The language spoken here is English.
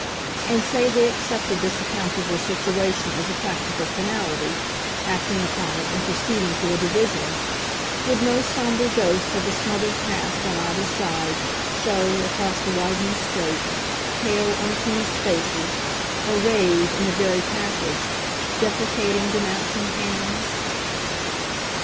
And say they accepted this account of their situation as a practical finality, acting upon it and proceeding to a division, would no sombre ghosts of the smothered past, on either side, show, across the widening strait, pale unappeased faces, or raise, in the very passage, deprecating, denouncing hands?